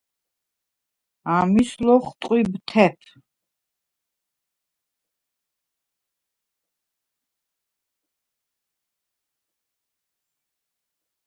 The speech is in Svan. ამის ლოხტყვიბ თეფ.